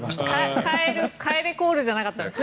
帰れコールじゃなかったですね。